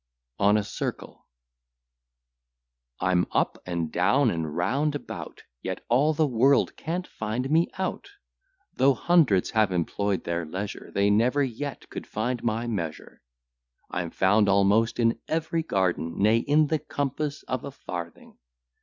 ON A CIRCLE I'm up and down, and round about, Yet all the world can't find me out; Though hundreds have employ'd their leisure, They never yet could find my measure. I'm found almost in every garden, Nay, in the compass of a farthing.